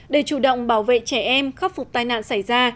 để chủ động bảo vệ trẻ em khắc phục tai nạn xảy ra